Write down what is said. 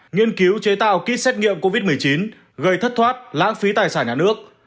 nghiên cứu chế tạo kit xét nghiệm covid một mươi chín gây thất thoát lãng phí tài sản nhà nước